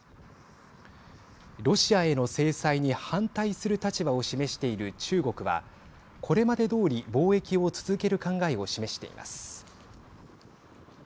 ロシアへの制裁に反対する立場を示している中国はこれまでどおり貿易を続ける考えを示しています。